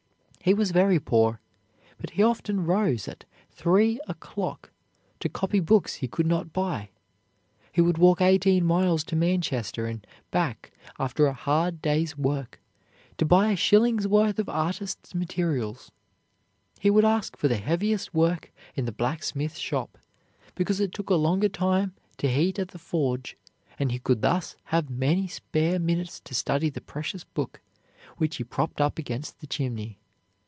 He was very poor, but he often rose at three o'clock to copy books he could not buy. He would walk eighteen miles to Manchester and back after a hard day's work to buy a shilling's worth of artist's materials. He would ask for the heaviest work in the blacksmith shop, because it took a longer time to heat at the forge, and he could thus have many spare minutes to study the precious book, which he propped up against the chimney.